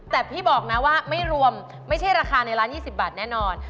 แต่พี่บอกนะว่าไม่รวมไม่ใช่ราคาในร้าน๒๐บาทแน่นอน